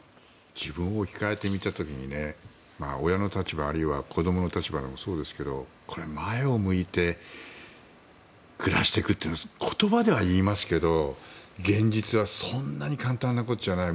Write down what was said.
自分に置き換えてみた時に親の立場、あるいは子供の立場でもそうですけどこれは前を向いて暮らしていくというのは言葉では言いますけど現実はそんなに簡単なことじゃない。